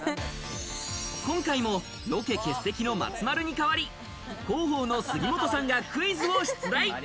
今回もロケ欠席の松丸に代わり、広報の杉本さんがクイズを出題。